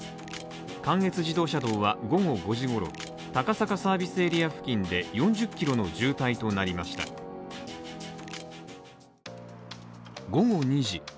関越自動車道は、午後５時ごろ、高坂サービスエリア付近で４０キロの渋滞となりました午後２時。